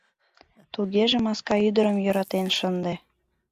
Тугеже маска ӱдырым йӧратен шынде.